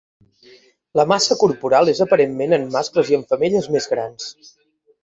La massa corporal és aparentment en mascles i en femelles més grans.